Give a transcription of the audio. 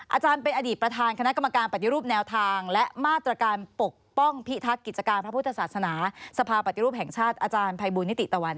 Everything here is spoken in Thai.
อาจารย์เป็นอดีตประธานคณะกรรมการปฏิรูปแนวทางและมาตรการปกป้องพิทักษ์กิจการพระพุทธศาสนาสภาปฏิรูปแห่งชาติอาจารย์ภัยบูลนิติตะวัน